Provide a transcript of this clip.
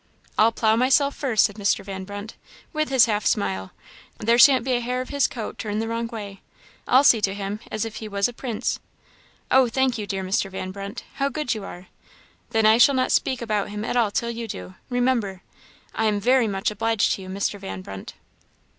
"I'll plough myself first," said Mr. Van Brunt, with his half smile; "there shan't be a hair of his coat turned the wrong way. I'll see to him as if he was a prince." "Oh, thank you, dear Mr. Van Brunt! How good you are! Then I shall not speak about him at all till you do, remember. I am very much obliged to you, Mr. Van Brunt!"